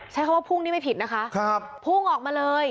ใช้คำว่าพุ่งนี่ไม่ผิดนะคะพุ่งออกมาเลย